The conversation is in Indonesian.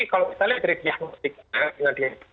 tapi kalau misalnya dari tiang